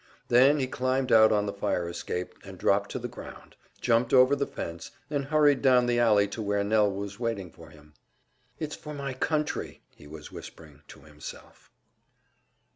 Then he climbed out on the fire escape and dropped to the ground, jumped over the fence, and hurried down the alley to where Nell was waiting for him. "It's for my country!" he was whispering to himself.